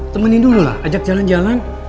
temenin dulu lah ajak jalan jalan